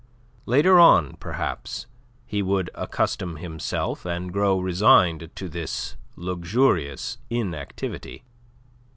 Later on, perhaps, he would accustom himself and grow resigned to this luxurious inactivity.